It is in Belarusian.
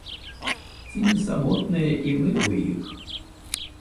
Ці не самотныя і мы ў іх?